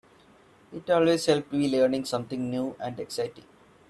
It always helps to be learning something new and exciting.